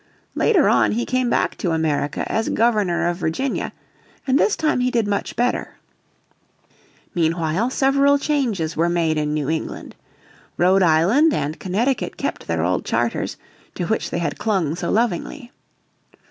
Later on he came back to America as Governor of Virginia, and this time he did much better. Meanwhile several changes were made in New England. Rhode Island and Connecticut kept their old charters, to which they had clung so lovingly.